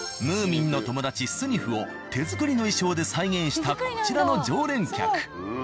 ムーミンの友達スニフを手作りの衣装で再現したこちらの常連客。